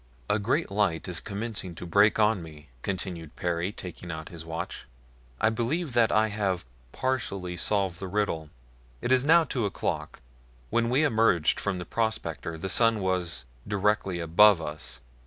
"A great light is commencing to break on me," continued Perry, taking out his watch. "I believe that I have partially solved the riddle. It is now two o'clock. When we emerged from the prospector the sun was directly above us.